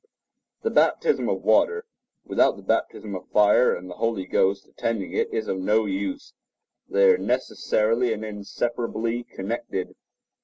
The baptism of water, without the baptism of fire and the Holy Ghost attending it, is of no use; they are necessarily and inseparably connected.